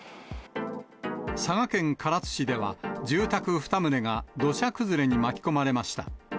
佐賀県唐津市では、住宅２棟が土砂崩れに巻き込まれました。